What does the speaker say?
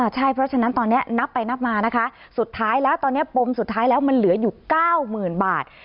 ใช่เพราะฉะนั้นตอนนี้นับไปนับมานะคะสุดท้ายแล้วตอนนี้ปมสุดท้ายแล้วมันเหลืออยู่๙๐๐๐บาท